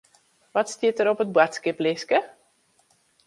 Wat stiet der op it boadskiplistke?